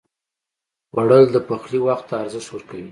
خوړل د پخلي وخت ته ارزښت ورکوي